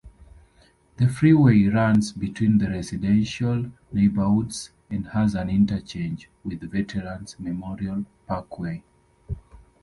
The freeway runs between residential neighborhoods and has an interchange with Veterans Memorial Parkway.